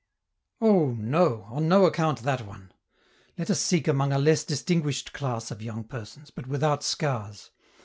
"Oh, no! on no account that one! Let us seek among a less distinguished class of young persons, but without scars.